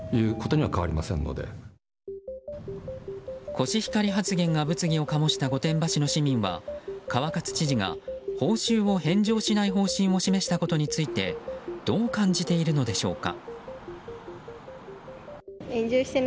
コシヒカリ発言が物議を醸した御殿場市の市民は川勝知事が、報酬を返上しない方針を示したことについてどう感じているのでしょうか。